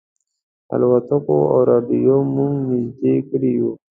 الوتکو او رېډیو موږ نيژدې کړي یو.